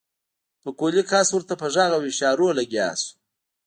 پکولي کس ورته په غږ او اشارو لګيا شو.